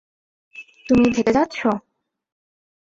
তুমি থেকে যাচ্ছ?